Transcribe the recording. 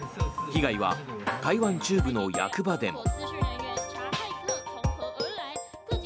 被害は台湾中部の役場でも。